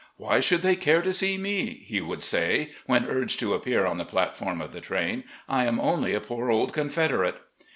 "Why should they care to see me?" he would say, when urged to appear on the platform of the train; "I am only a poor old Confederate